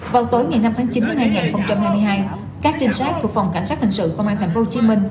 vào tối ngày năm tháng chín năm hai nghìn hai mươi hai các trinh sát thuộc phòng cảnh sát hình sự công an tp hcm